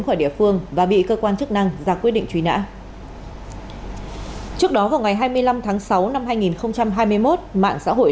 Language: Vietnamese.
khỏi địa phương và bị cơ quan chức năng ra quyết định truy nã trước đó vào ngày hai mươi năm tháng sáu năm hai nghìn hai mươi một mạng xã hội